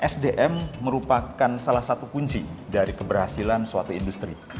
sdm merupakan salah satu kunci dari keberhasilan suatu industri